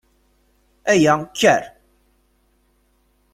Aya! Kker!